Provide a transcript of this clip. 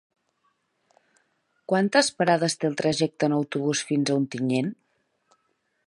Quantes parades té el trajecte en autobús fins a Ontinyent?